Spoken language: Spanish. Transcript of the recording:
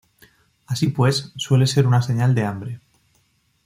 Así pues, suelen ser una señal de hambre.